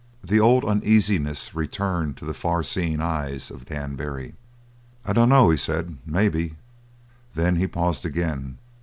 The old uneasiness returned to the far seeing eyes of Dan Barry. "I dunno," he said, "maybe " Then he paused again.